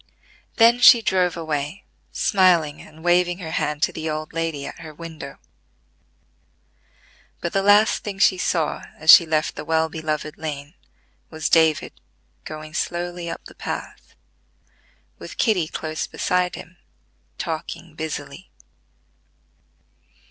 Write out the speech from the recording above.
Then she drove away, smiling and waving her hand to the old lady at her window; but the last thing she saw as she left the well beloved lane, was David going slowly up the path, with Kitty close beside him, talking busily.